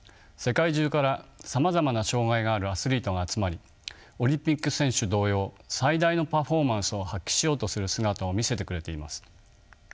世界中からさまざまな障がいがあるアスリートが集まりオリンピック選手同様最大のパフォーマンスを発揮しようとする姿を見せてくれています。